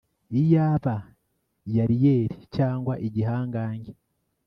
Iyaba yariyeri cyangwa igihangange